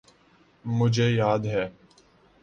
مجھے یاد ہے۔